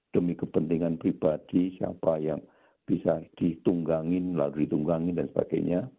demi kepentingan pribadi siapa yang bisa ditunggangin lalu ditunggangin dan sebagainya